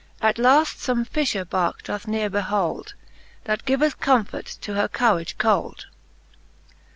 At laft ibmc fifher barke doth neare behold, That giyeth comfort to her courage cold.